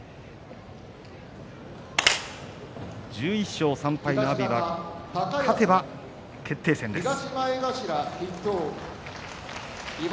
１２勝３敗の阿炎は勝てば決定戦です。